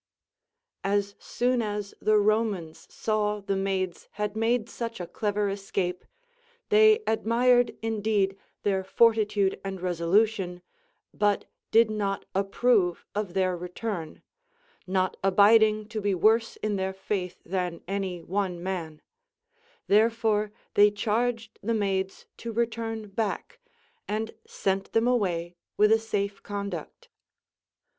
As soon as the Romans saw the maids had made such a clever escape, they admired indeed their fortitude and resolution, but did not approve of their return, not abiding CONCERNING THE VIRTUES OF WOMEN. 357 to be ΛΥΟΓβθ in their faith than any one man ; therefore they charged the maids to return back, and sent them away with a safe conduct.